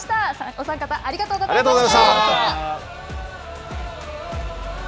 お三方、ありがとうございました。